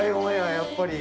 やっぱり。